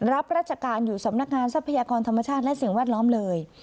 รับราชการอยู่สำนักงานทรัพยากรธรรมชาติและสิ่งแวดล้อมเลย